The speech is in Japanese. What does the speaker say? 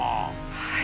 はい。